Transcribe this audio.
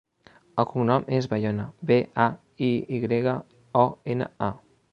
El cognom és Bayona: be, a, i grega, o, ena, a.